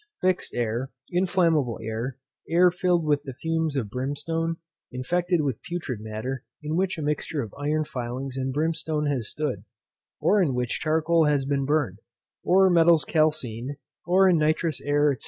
fixed air, inflammable air, air filled with the fumes of brimstone, infected with putrid matter, in which a mixture of iron filings and brimstone has stood, or in which charcoal has been burned, or metals calcined, or in nitrous air, &c.